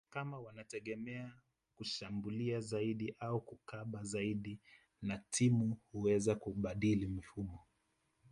kama wanategemea kushambulia zaidi au kukaba zaidi na timu huweza kubadili mifumo